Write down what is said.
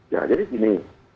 ya jadi gini